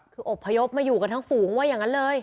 คืออบพยพมาอยู่กันทั้งฝูงว่าอย่างนั้นเลย